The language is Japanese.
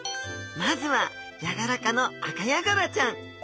まずはヤガラ科のアカヤガラちゃん。